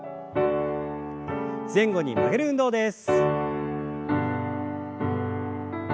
前後に曲げる運動です。